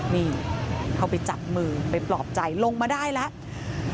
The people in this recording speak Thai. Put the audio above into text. นี่เข้าไปจับมือไปปลอบใจลงมาได้แล้ว